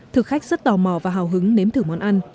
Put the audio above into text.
thực khách rất tò mò và hào hứng nếm thử món ăn